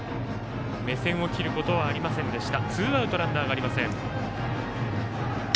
目線を切ることはありませんでした。